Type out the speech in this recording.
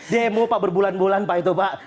demo pak berbulan bulan pak itu pak